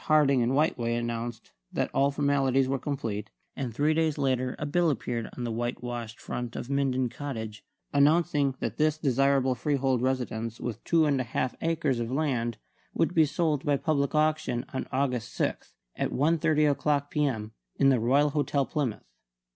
Harding and Whiteway announced that all formalities were complete; and three days later a bill appeared on the whitewashed front of Minden Cottage announcing that this desirable freehold residence with two and a half acres of land would be sold by public auction on August 6, at 1.30 o'clock p.m., in the Royal Hotel, Plymouth.